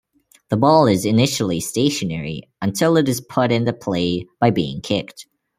The ball is initially stationary until it is put into play by being kicked.